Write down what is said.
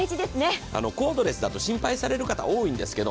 コードレスだと心配される方、多いんですけど